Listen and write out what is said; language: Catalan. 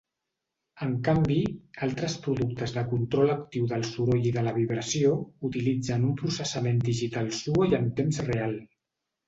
En canvi, altres productes de control actiu del soroll i de la vibració utilitzen un processament digital sua i en temps real.